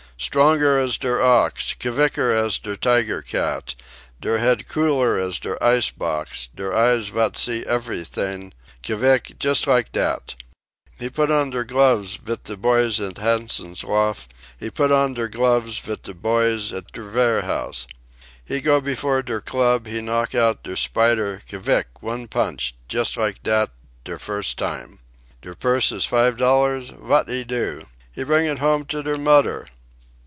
stronger as der ox, k vicker as der tiger cat, der head cooler as der ice box, der eyes vat see eferytings, k vick, just like dat. He put on der gloves vit der boys at Hansen's loft, he put on der gloves vit de boys at der varehouse. He go before der club; he knock out der Spider, k vick, one punch, just like dat, der first time. Der purse iss five dollar vat he do? He bring it home to der mudder.